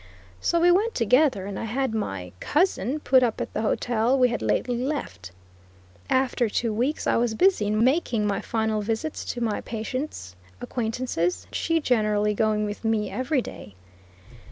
So we went together, and I and my "cousin" put up at the hotel we had lately left. For two weeks I was busy in making my final visits to my patients acquaintances, she generally going with me every day.